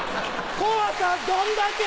怖さどんだけ！